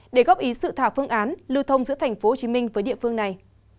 để góp ý sự thảo phương án lưu thông giữa tp hcm với địa phương này